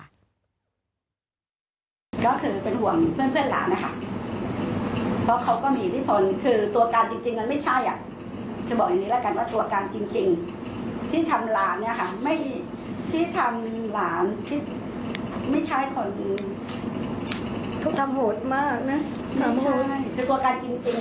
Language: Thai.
ตัวหลักเลยไม่ใช่กลุ่มทั้ง๑๘คนเลยค่ะ